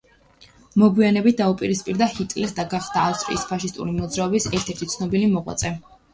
მოგვიანებით დაუპირისპირდა ჰიტლერს და გახდა ავსტრიის ფაშისტური მოძრაობის ერთ–ერთი ცნობილი მოღვაწე.